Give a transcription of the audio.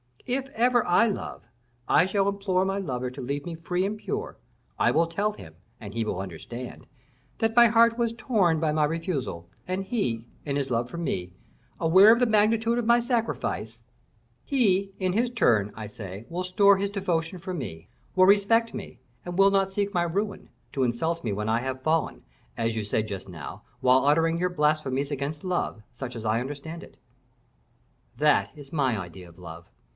If ever I love, I shall implore my lover to leave me free and pure; I will tell him, and he will understand, that my heart was torn by my refusal, and he, in his love for me, aware of the magnitude of my sacrifice, he, in his turn, I say, will store his devotion for me, will respect me, and will not seek my ruin, to insult me when I shall have fallen, as you said just now, whilst uttering your blasphemies against love, such as I understand it. That is my idea of love.